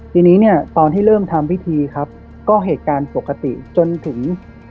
ทีนี้เนี่ยตอนที่เริ่มทำพิธีครับก็เหตุการณ์ปกติจนถึง